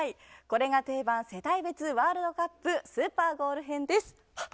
これが定番世代別ワールドカップスーパーゴール編です。